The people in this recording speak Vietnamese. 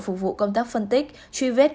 phục vụ công tác phân tích truy vết